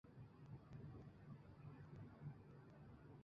此聚落一部份是以住屋为主题的展示。